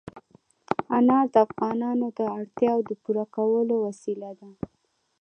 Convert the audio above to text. انار د افغانانو د اړتیاوو د پوره کولو وسیله ده.